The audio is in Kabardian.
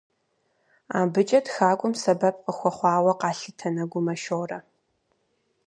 АбыкӀэ тхакӀуэм сэбэп къыхуэхъуауэ къалъытэ Нэгумэ Шорэ.